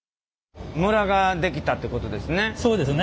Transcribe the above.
ムラが出来たってことですね？